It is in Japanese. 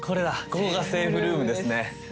ここがセーフルームですね。